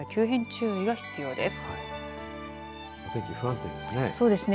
天気の急変、注意が必要です。